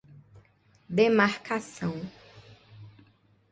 demarcação